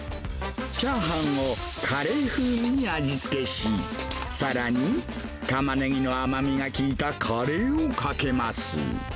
チャーハンをカレー風味に味付けし、さらに、タマネギの甘みが効いたカレーをかけます。